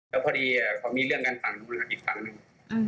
แล้วพอดีเขามีเรื่องการฟังอีกฝั่งหนึ่ง